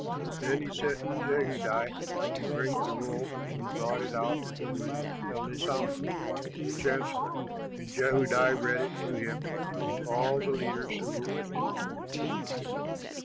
Then he sent Jehudi to bring the roll, and he brought it out of the room of Elishama, the chancellor. And Jehudi read it to him and to all the leaders who were with him.